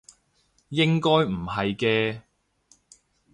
應該唔係嘅